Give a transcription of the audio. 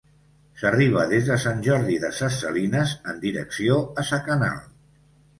S'arriba des de Sant Jordi de ses Salines, en direcció a Sa Canal.